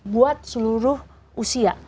buat seluruh usia